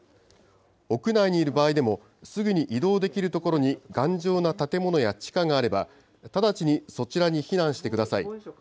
屋内にいる場合でも、すぐに移動できる所に頑丈な建物や地下があれば、直ちにそちらに避難してください。